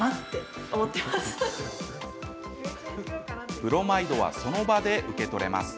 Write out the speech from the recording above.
ブロマイドはその場で受け取れます。